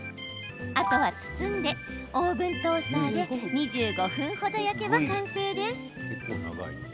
あとは包んでオーブントースターで２５分程焼けば完成です。